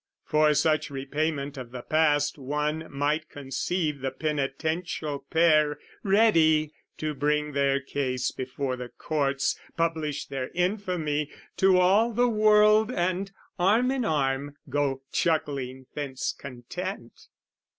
For such repayment of the past, One might conceive the penitential pair Ready to bring their case before the courts, Publish their infamy to all the world And, arm in arm, go chuckling thence content.